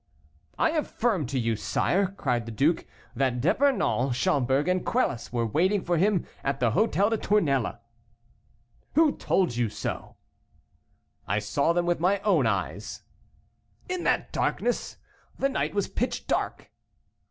"I affirm to you, sire," cried the duke, "that D'Epernon, Schomberg and Quelus were waiting for him at the Hôtel des Tournelles." "Who told you so?" "I saw them with my own eyes." "In that darkness! The night was pitch dark."